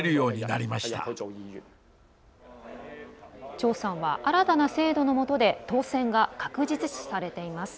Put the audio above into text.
張さんは新たな制度のもとで当選が確実視されています。